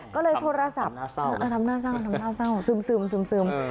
ก็เลยโทรศัพท์ทำหน้าเศร้าทำหน้าเศร้าทำหน้าเศร้าซึมซึมซึมซึม